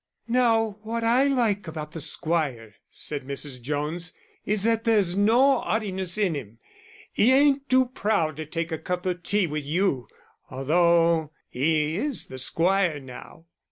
"Now what I like about the squire," said Mrs. Jones, "is that there's no 'aughtiness in 'im. 'E ain't too proud to take a cup of tea with you, although 'e is the squire now."